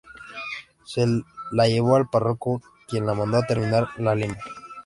Se la llevó al párroco, quien la mandó a terminar a Lima.